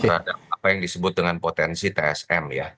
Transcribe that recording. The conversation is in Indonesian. terhadap apa yang disebut dengan potensi tsm ya